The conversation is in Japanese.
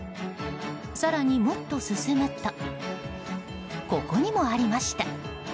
更に、もっと進むとここにもありました。